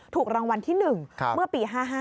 ถูกรางวัลที่๑เมื่อปี๕๕